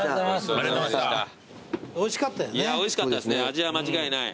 味は間違いない。